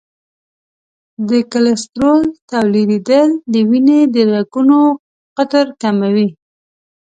د کلسترول تولیدېدل د وینې د رګونو قطر کموي.